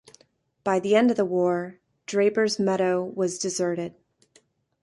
By the end of the war, Draper's Meadow was deserted.